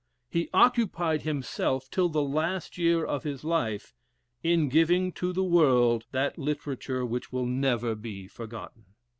_ He occupied himself till the last year of his life in giving to the world that literature which will never be forgotten.